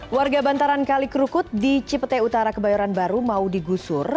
warga bantaran kali kerukut di cipete utara kebayoran baru mau digusur